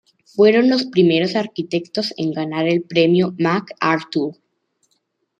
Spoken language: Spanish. Fueron los primeros arquitectos en ganar el Premio MacArthur.